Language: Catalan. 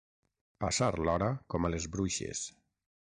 Passar l'hora com a les bruixes.